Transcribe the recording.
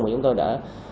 mà chúng tôi đã